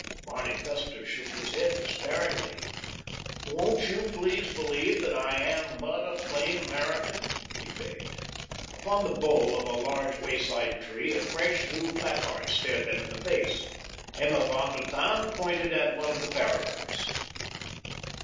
Barney Custer shook his head despairingly. "Won't you please believe that I am but a plain American?" he begged. Upon the bole of a large wayside tree a fresh, new placard stared them in the face. Emma von der Tann pointed at one of the paragraphs.